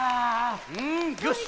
うんよし！